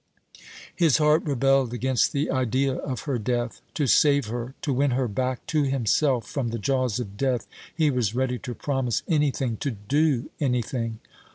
His heart rebelled against the idea of her death. To save her, to win her back to himself from the jaws of death, he was ready to promise anything, to do anything.